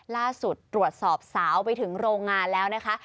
ล่าสุดตรวจสอบสาวไปถึงโรงงานแล้วนะคะ